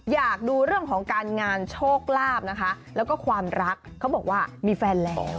อยากดูเรื่องของการงานโชคลาภนะคะแล้วก็ความรักเขาบอกว่ามีแฟนแล้ว